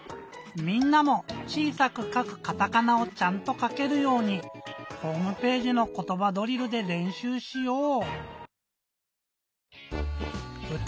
みんなも「ちいさくかくカタカナ」をちゃんとかけるようにホームページの「ことばドリル」でれんしゅうしよう！